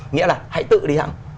nghĩa là hãy tự đi hẳn